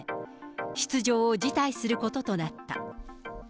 出場を辞退することとなった。